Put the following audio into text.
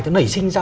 thì nảy sinh ra